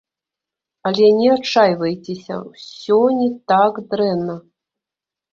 Але не адчайвайцеся, усё не так дрэнна!